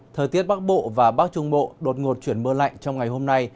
thời tiết bắc bộ và bắc trung bộ đột ngột chuyển mưa lạnh trong ngày hôm nay